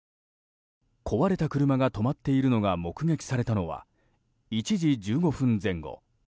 壊れた車が止まっているのが目撃されたのは１時１５分前後。